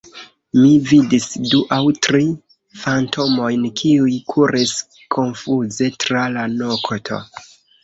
Mi vidis du aŭ tri fantomojn, kiuj kuris konfuze tra la nokto.